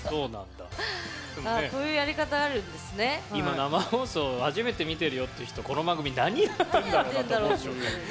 今、生放送初めて見てるよって人この番組、何やってるんだろう？って思うでしょ。